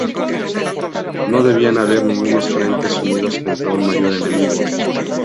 No debían haber ningunos frentes unidos contra un mayor enemigo.